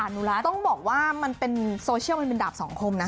ต้องบอกว่ามันเป็นโซเชียลมันเป็นดาบสองคมนะ